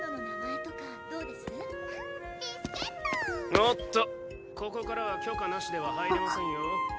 おっとここからは許可無しでは入れませんよ。